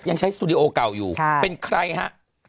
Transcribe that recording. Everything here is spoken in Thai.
ยังใช้สตูดิโอเก่าอยู่เป็นใครฮะ